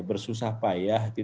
bersusah payah gitu ya